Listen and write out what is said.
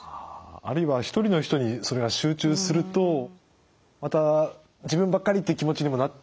あるいは１人の人にそれが集中するとまた自分ばっかりっていう気持ちにもなってしまうんですかね。